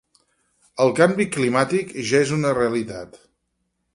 El canvi climàtic és ja una realitat.